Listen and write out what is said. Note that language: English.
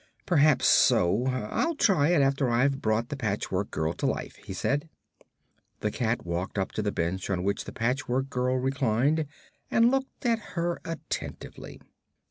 "Perhaps so. I'll try it, after I've brought the Patchwork Girl to life," he said. The cat walked up to the bench on which the Patchwork Girl reclined and looked at her attentively.